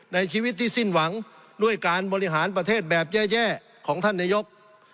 ในชีวิตที่สิ้นหวังด้วยการบริหารประเทศแบบแย่ของท่านนายก